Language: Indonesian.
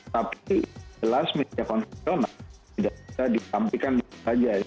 tapi jelas media konvensional tidak bisa ditampilkan di sana saja